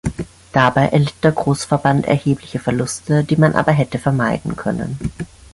Dabei erlitt der Großverband erhebliche Verluste, die man aber hätte vermeiden können.